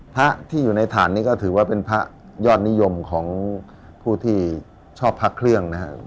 พระที่อยู่ในฐานนี้ก็ถือว่าเป็นพระยอดนิยมของผู้ที่ชอบพระเครื่องนะครับ